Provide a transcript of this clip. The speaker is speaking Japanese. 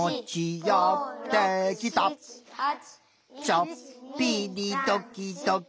「ちょっぴりどきどき」